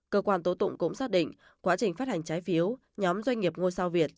cơ quan tố tụng cũng xác định quá trình phát hành trái phiếu nhóm doanh nghiệp ngôi sao việt